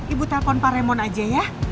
ibu telepon pak raymond aja ya